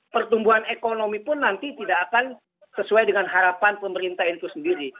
pertumbuhan ekonomi pun nanti tidak akan sesuai dengan harapan pemerintah itu sendiri